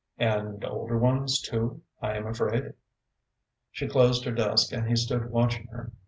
"And older ones too, I am afraid!" She closed her desk and he stood watching her.